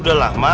udah lah ma